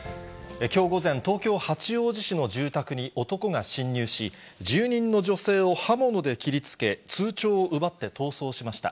きょう午前、東京・八王子市の住宅に男が侵入し、住人の女性を刃物で切りつけ、通帳を奪って逃走しました。